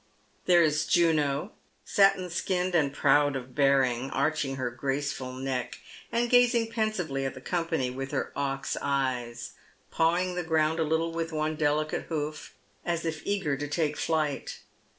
There is Juno, satin skinned and proud of bearing, arching her graceful neck, and gazing pensively at the company with her ox eyes, pawing the ground a little with one delicate hoof, as if eager to take tiight.